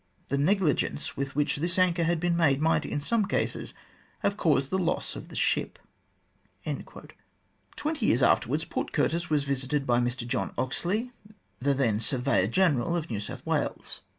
The negligence with which this anchor had been made might, in some cases, have caused the loss of the ship." Twenty years afterwards Port Curtis was visited by Mr John Oxley, the then Surveyor General of New South Wales.